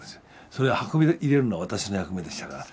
それを運び入れるのは私の役目でしたから。